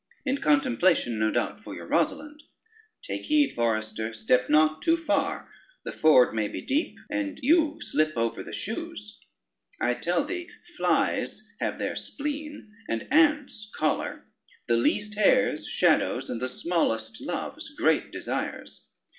in contemplation, no doubt, of your Rosalynde. Take heed, forester; step not too far, the ford may be deep, and you slip over the shoes: I tell thee, flies have their spleen, the ants choler, the least hairs shadows, and the smallest loves great desires.